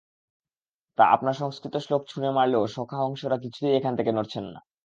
তা, আপনার সংস্কৃত শ্লোক ছুঁড়ে মারলেও সখা হংসরা কিছুতেই এখান থেকে নড়ছেন না।